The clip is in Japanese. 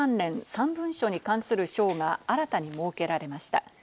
３文書に関する章が新たに設けられました。